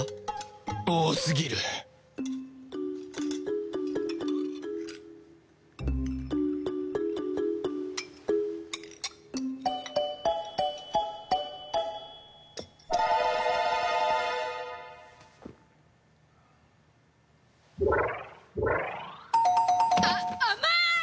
多すぎるあ甘い！